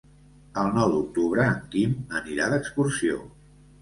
El nou d'octubre en Quim anirà d'excursió.